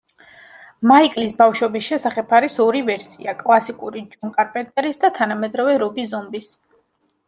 მაიკლის ბავშვობის შესახებ არის ორი ვერსია: კლასიკური ჯონ კარპენტერის და თანამედროვე რობი ზომბის.